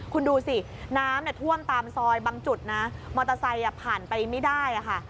คุณดูสิน้ำท่วมตามซอยบางจุดนะมอเตอร์ไซค์ผ่านไปไม่ได้ค่ะ